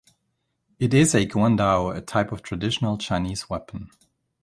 It is a guandao, a type of traditional Chinese weapon.